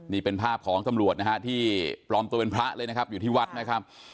นี่เป็นภาพของตำรวจนะฮะที่ปลอมตัวเป็นพระเลยนะครับอยู่ที่วัดนะครับ